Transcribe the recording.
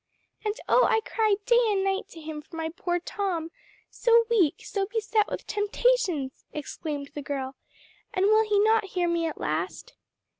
'" "And oh, I cry day and night to him for my poor Tom, so weak, so beset with temptations!" exclaimed the girl, "and will he not hear me at last?"